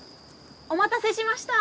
お待たせしました！